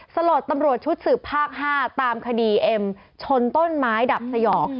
สลดตำรวจชุดสืบภาค๕ตามคดีเอ็มชนต้นไม้ดับสยอง